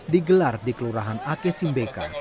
digelar di kelurahan ake simbeka